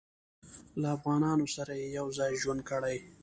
له افغانانو سره یې یو ځای ژوند کړی.